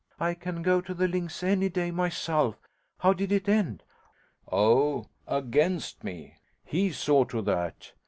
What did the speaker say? I can go to the links any day myself. How did it end?' 'Oh, against me; he saw to that.